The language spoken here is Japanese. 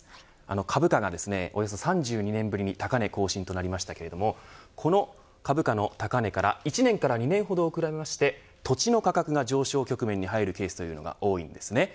株価がおよそ３２年ぶりに高値更新となりましたけれどこの株価の高値から１年から２年ほど遅れまして土地の価格が上昇局面に入るケースというのが多いです。